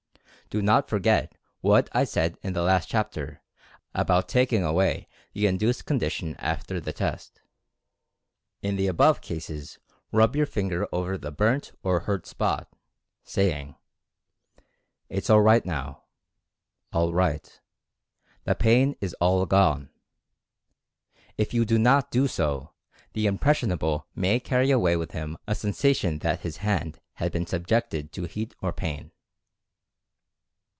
Do not forget what I said in the last chapter about taking away the in duced condition after the test. In the above cases rub your finger over the burnt (?) or hurt (?) spot, say ing: "It's all right now — all right — the pain is all gone." If you do not do so, the "impressionable" may carry away with him a sensation that his hand had been subjected to heat or pain.